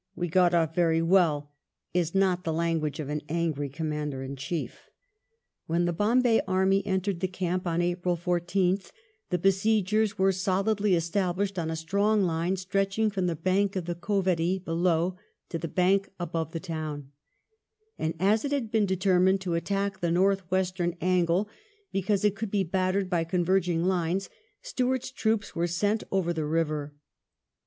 we got off very well "— is not the language of an angry Commander in Chief. When the Bombay army entered the camp on April 14th, the besiegers were solidly established on a strong line stretching from the bank of the Cauvery below to the bank above the town; and as it had been de termined to attack the north western angle, because it could be battered by converging fires, Stuart's troops were sent over the river.